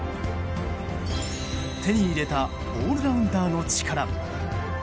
手に入れたオールラウンダーの力。